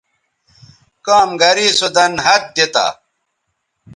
کام گرے سو دَن ہَت دی تا